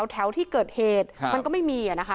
แถวที่เกิดเหตุมันก็ไม่มีนะคะ